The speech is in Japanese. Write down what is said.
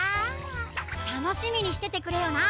たのしみにしててくれよな。